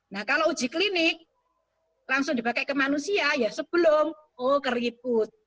nah kalau uji klinik langsung dipakai ke manusia ya sebelum oh keriput